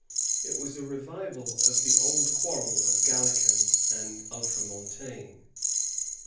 It was a revival of the old quarrel of Gallican and ultramontane.